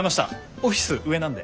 オフィス上なんで。